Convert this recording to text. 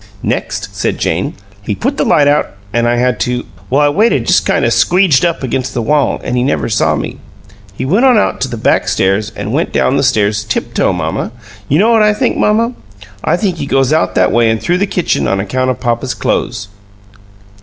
"Next," said Jane, "he put the light out, an' I had to well, I just waited kind of squeeged up against the wall, an' he never saw me. He went on out to the back stairs, an' went down the stairs tiptoe, mamma. You know what I think, mamma? I think he goes out that way an' through the kitchen on account of papa's clo'es."